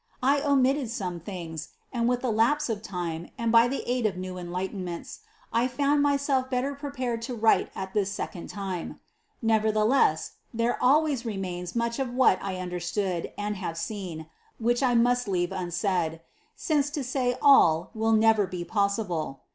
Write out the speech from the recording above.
I omitted some things, and with the lapse of time and by the aid of new enlightenments, I found my self better prepared to write at this second time Nev ertheless there always remains much of what I under stood and have seen, which I must leave unsaid ; since to say all will never be possible.